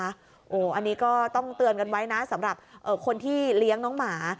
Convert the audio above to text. อันนี้ก็ต้องเตือนกันไว้นะสำหรับคนที่เลี้ยงน้องหมา